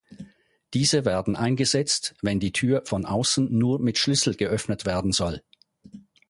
Diese werden eingesetzt, wenn die Tür von außen nur mit Schlüssel geöffnet werden soll.